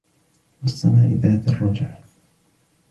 وَالسَّمَاءِ ذَاتِ الرَّجْعِ